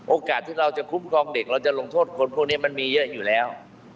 โอกาสที่เราจะคุ้มครองเด็กเราจะลงโทษคนพวกนี้มันมีเยอะอยู่แล้ว